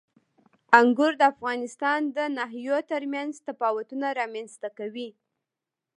انګور د افغانستان د ناحیو ترمنځ تفاوتونه رامنځته کوي.